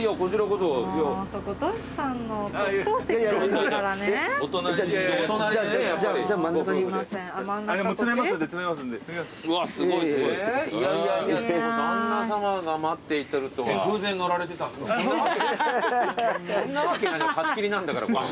そんなわけないじゃん貸し切りなんだからこれ。